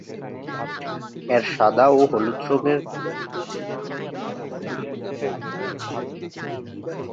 এর সাদা বা হলুদ রঙের কেন্দ্র থাকে এবং একে ঘিরে লাল রঙের সীমানা থাকে।